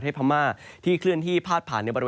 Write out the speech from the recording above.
ก็จะมีการแผ่ลงมาแตะบ้างนะครับ